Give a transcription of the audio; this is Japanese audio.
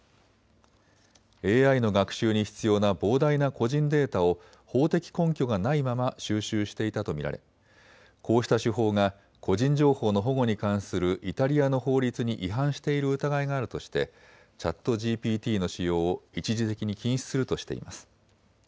ＡＩの学習に必要な膨大な個人データを法的根拠がないまま収集していたと見られこうした手法が個人情報の保護に関するイタリアの法律に違反している疑いがあるとしてＣｈａｔＧＰＴの使用を一時的に禁止するとしています。